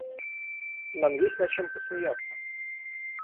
Нам есть над чем посмеяться!